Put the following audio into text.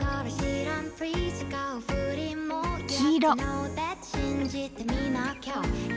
黄色。